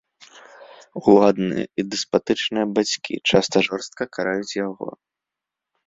Уладныя і дэспатычныя бацькі часта жорстка караюць яго.